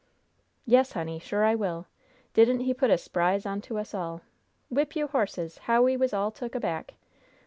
"Yes, honey, sure I will. Didn' he put a s'prise on to us all? Whip you horses! how we was all took aback!